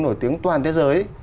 nổi tiếng toàn thế giới